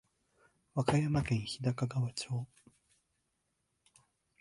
和歌山県日高川町